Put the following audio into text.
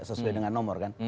sesuai dengan nomor kan